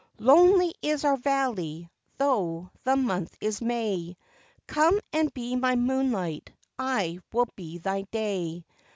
"Lonely is our valley, though the month is May, Come and be my moonlight, I will be thy day.